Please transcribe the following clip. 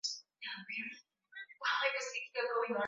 Wao hutembea pamoja